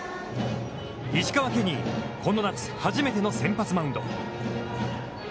石川ケニー、この夏、初めての先発マウンド。